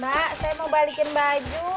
mak saya mau balikin baju